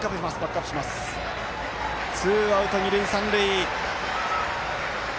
ツーアウト、二塁三塁。